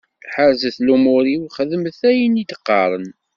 Ḥerzet lumuṛ-iw, xeddmet ayen i d-qqaren.